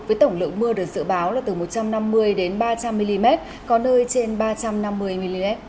với tổng lượng mưa được dự báo là từ một trăm năm mươi đến ba trăm linh mm có nơi trên ba trăm năm mươi mm